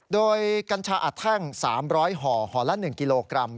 โดยกัญชาอัดแท่ง๓๐๐ห่อห่อละ๑กิโลกรัม